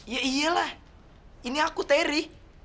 ya iyalah ini aku teri